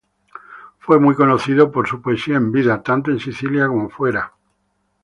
Fue muy conocido por su poesía en vida, tanto en Sicilia como fuera.